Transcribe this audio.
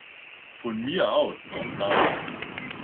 Von mir aus auch das.